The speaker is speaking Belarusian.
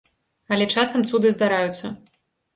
Але часам цуды здараюцца.